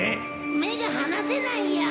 目が離せないよ。